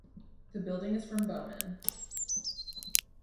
The building is from Bowman.